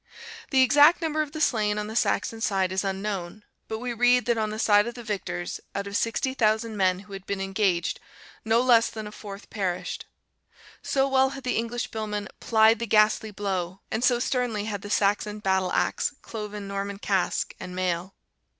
The exact number of the slain on the Saxon side is unknown; but we read that on the side of the victors, out of sixty thousand men who had been engaged, no less than a fourth perished: so well had the English bill men "plied the ghastly blow" and so sternly had the Saxon battle axe cloven Norman casque and mail.